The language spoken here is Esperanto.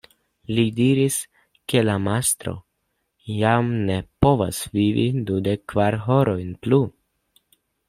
Li diris, ke la mastro jam ne povas vivi dudek kvar horojn plu.